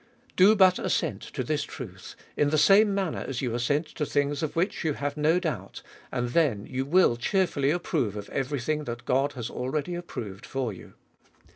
Do but assent to this truth, in the same manner as you assent to things of which you have no doubt, and then you will cheerfully approve of every thing that God has already approved for you.